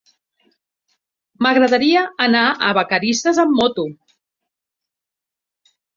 M'agradaria anar a Vacarisses amb moto.